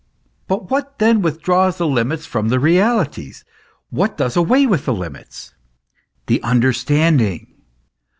But what then withdraws the limits from the realities, what does away with the limits ? The understanding.